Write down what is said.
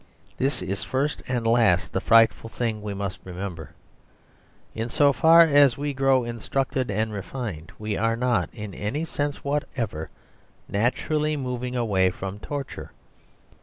This is, first and last, the frightful thing we must remember. In so far as we grow instructed and refined we are not (in any sense whatever) naturally moving away from torture.